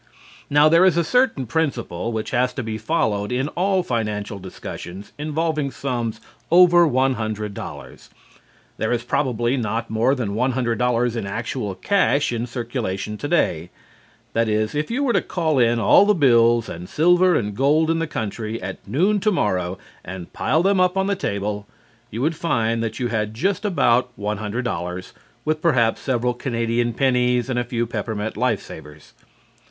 Now there is a certain principle which has to be followed in all financial discussions involving sums over one hundred dollars. There is probably not more than one hundred dollars in actual cash in circulation today. That is, if you were to call in all the bills and silver and gold in the country at noon tomorrow and pile them up on the table, you would find that you had just about one hundred dollars, with perhaps several Canadian pennies and a few peppermint life savers.